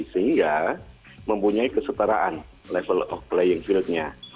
sehingga mempunyai kesetaraan level of playing field nya